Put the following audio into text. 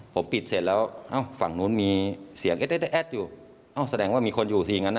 ผมปิดเสร็จแล้วเอ้าฝั่งนู้นมีเสียงเอ๊ะแอดอยู่เอ้าแสดงว่ามีคนอยู่สิอย่างนั้นอ่ะ